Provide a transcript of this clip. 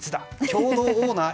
共同オーナー？